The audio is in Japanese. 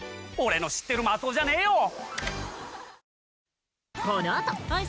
俺の知ってる松尾じゃねえよ！